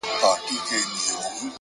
د ژوند مانا په اغېز کې ده،